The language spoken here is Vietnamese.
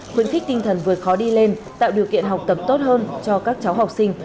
khuyến khích tinh thần vượt khó đi lên tạo điều kiện học tập tốt hơn cho các cháu học sinh